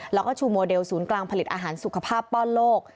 แล้วก็ชูโมเดลศูนย์กลางผลิตอาหารสุขภาพป้อนโลก